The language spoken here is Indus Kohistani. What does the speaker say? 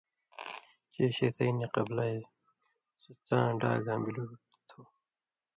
چے شېطَیں نی قبلائ، سو څاں ڈاگاں بِلوٹھ تھُو۔